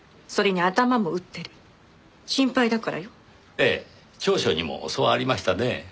ええ調書にもそうありましたねぇ。